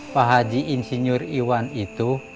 pak haji insinyur iwan itu